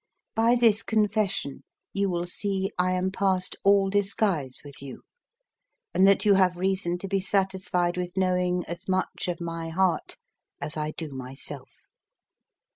By this confession you will see I am past all disguise with you, and that you have reason to be satisfied with knowing as much of my heart as I do myself.